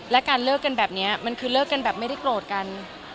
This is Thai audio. และการเลิกกันแบบนี้มันคือเลิกกันแบบไม่ได้โกรธกัน